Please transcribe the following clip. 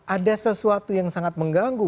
ada sesuatu yang sangat mengganggu